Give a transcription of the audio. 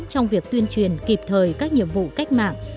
trong việc tuyên truyền kịp thời các nhiệm vụ cách mạng